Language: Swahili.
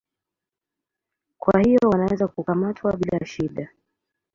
Kwa hivyo wanaweza kukamatwa bila shida.